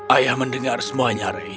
ayah mendengar semuanya rey